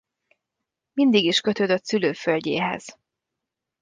Mindig is kötődött szülőföldjéhez.